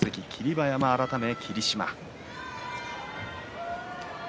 馬山改め霧島。